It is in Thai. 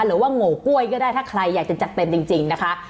หรือว่าโง่กล้วยก็ได้ถ้าใครอยากจะจัดเต็มจริงนะคะ